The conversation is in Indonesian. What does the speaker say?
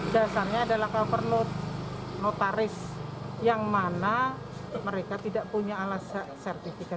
dasarnya adalah cover note notaris yang mana mereka tidak punya alasan sertifikat